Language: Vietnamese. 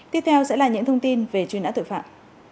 tiếp theo sẽ là những thông tin về truy nã tội phạm